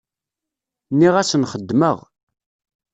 Nniɣ-asen xeddmeɣ.